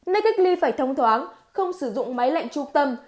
nơi cách ly phải thống thoáng không sử dụng máy lệnh trung tâm